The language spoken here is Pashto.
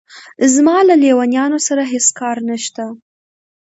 زما له لېونیانو سره هېڅ کار نشته.